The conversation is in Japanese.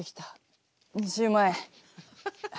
２０万円。